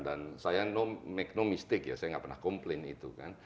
dan saya make no mistake ya saya gak pernah komplain itu kan